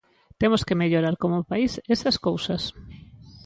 Temos que mellorar como país esas cousas.